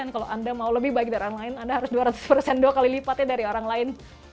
kalau anda mau lebih baik dari orang lain anda harus dua ratus persen dua kali lipatnya dari orang lain